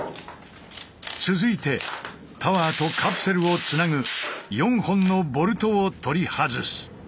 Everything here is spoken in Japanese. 続いてタワーとカプセルをつなぐ４本のボルトを取り外す。